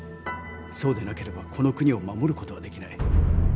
そうでなければこの国を守ることはできない。